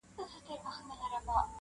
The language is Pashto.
o شا و خوا د تورو کاڼو کار و بار دی,